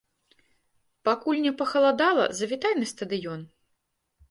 Пакуль не пахаладала, завітай на стадыён!